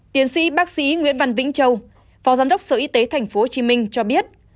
tiến sĩ bác sĩ nguyễn văn vĩnh châu phó giám đốc sở y tế tp hcm cho biết